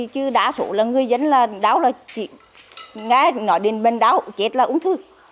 chứ đa số là người dân là đau là chết nghe nói đến bệnh đau chết là uống thư